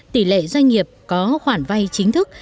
tỷ lệ doanh nghiệp có khoản vay chính thức